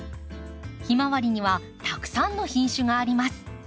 ヒマワリにはたくさんの品種があります。